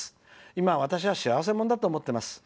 今、私は幸せもんだと思っています。